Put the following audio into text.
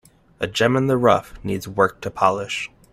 A gem in the rough needs work to polish.